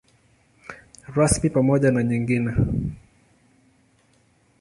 Rasmi pamoja na nyingine.